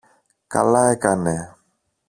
Καλά έκανε!